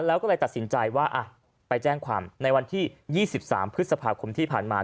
แล้วก็เลยตัดสินใจว่าไปแจ้งความในวันที่๒๓พฤษภาคมที่ผ่านมา